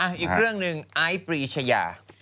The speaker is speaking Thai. อีกเรื่องหนึ่งไอซ์ปรีชยา